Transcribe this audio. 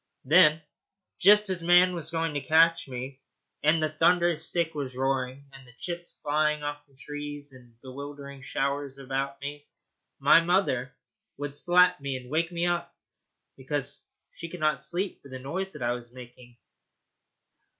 Then, just as man was going to catch me, and the thunder stick was roaring, and the chips flying off the trees in bewildering showers about me, my mother would slap me, and wake me up because she could not sleep for the noise that I was making.